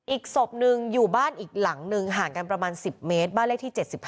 อีกศพหนึ่งอยู่บ้านอีกหลังหนึ่งห่างกันประมาณ๑๐เมตรบ้านเลขที่๗๕